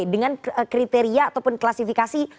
dengan kriteria ataupun klasifikasi